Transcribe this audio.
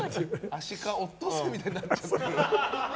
アシカ、オットセイみたいになっちゃって。